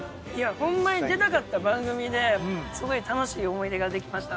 ホンマに出たかった番組ですごい楽しい思い出ができました。